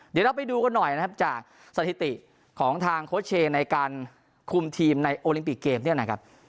เดี๋ยวเราไปดูกันหน่อยนะครับจากสถิติของทางโค้ชเชย์ในการคุมทีมในโอลิมปิกเกมเนี่ยนะครับ